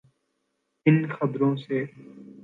ان خبروں سے؟